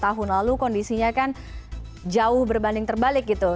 tahun lalu kondisinya kan jauh berbanding terbalik gitu